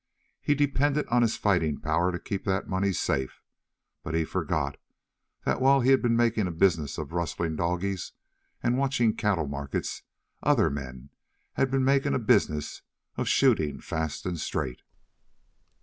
He depended on his fighting power to keep that money safe, but he forgot that while he'd been making a business of rustling doggies and watching cattle markets, other men had been making a business of shooting fast and straight.